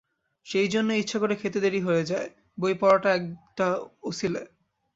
সেইজন্যেই ইচ্ছে করে খেতে দেরি হয়ে যায়, বই পড়াটা একটা অছিলে।